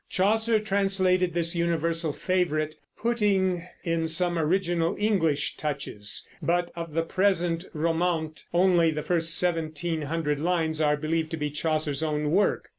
Chaucer translated this universal favorite, putting in some original English touches; but of the present Romaunt only the first seventeen hundred lines are believed to be Chaucer's own work.